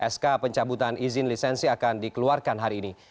sk pencabutan izin lisensi akan dikeluarkan hari ini